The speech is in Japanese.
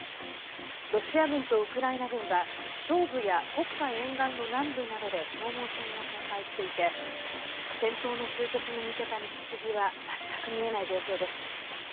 ロシア軍とウクライナ軍は東部や黒海沿岸の南部などで消耗戦を展開していて戦闘の終結に向けた道筋は全く見えない状況です。